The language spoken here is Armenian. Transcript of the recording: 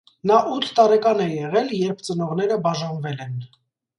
Նա ութ տարեկան է եղել, երբ ծնողները բաժանվել են։